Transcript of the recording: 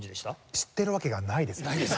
知ってるわけがないですよね。